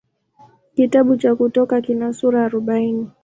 Kitabu cha Kutoka kina sura arobaini.